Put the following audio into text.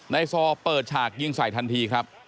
ซอเปิดฉากยิงใส่ทันทีครับ